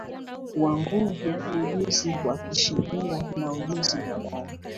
wa nguvu ujuzi wa kisheria na ujuzi wa ndani